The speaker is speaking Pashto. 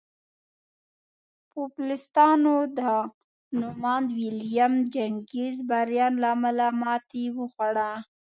پوپلستانو د نوماند ویلیم جیننګز بریان له امله ماتې وخوړه.